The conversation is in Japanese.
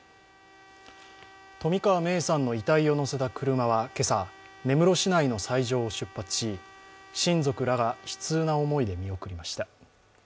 冨川芽生さんの遺体をのせた車は今朝、根室市内の斎場を出発し親族らが悲痛な思いで見送りました。